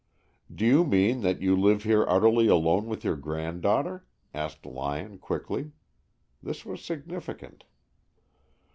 "Do you mean that you live here entirely alone with your granddaughter?" asked Lyon, quickly. This was significant.